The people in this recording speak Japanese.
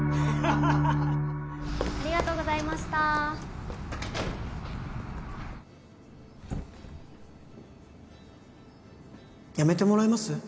ハハハハハハありがとうございましたやめてもらえます？